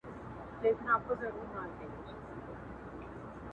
دا اداګانې دې تر مــــــــــرګه پورې نۀ شـــــــم زغمی